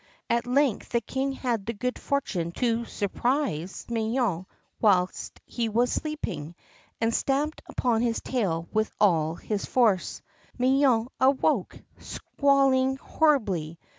At length the King had the good fortune to surprise Minon whilst he was sleeping, and stamped upon his tail with all his force. Minon awoke, squalling horribly.